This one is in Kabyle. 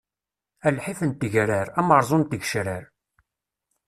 A lḥif n tegrar, ameṛṛẓu n tgecrar!